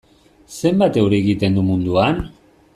Zenbat euri egiten du munduan?